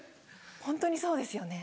ホントにそうですよね。